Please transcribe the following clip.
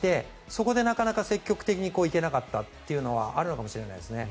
そこでなかなか積極的に行けなかったのはあるかもしれないですね。